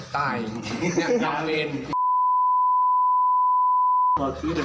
ตายนี่กำเวร